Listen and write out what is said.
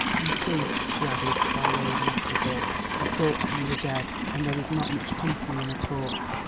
You see," she added by way of an afterthought, "I thought that you were dead, and there is not much company in a corpse."